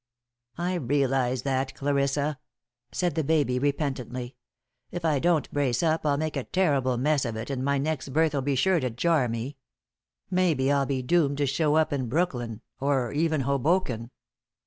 "I realize that, Clarissa," said the baby, repentantly. "If I don't brace up, I'll make a terrible mess of it, and my next birth'll be sure to jar me. Maybe I'll be doomed to show up in Brooklyn or even Hoboken.